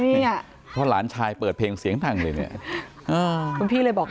เพราะว่าหลานชายเปิดเพลงเสียงดังเลยเนี่ยอ้าวคุณพี่เลยบอก